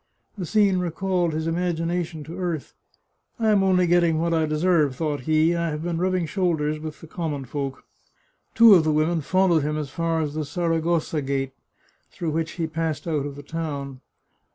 The scene recalled his im agination to earth. " I am only getting what I deserve," thought he. " I have been rubbing shoulders with the com mon folk." Two of the women followed him as far as the Saragossa Gate, through which he passed out of the town.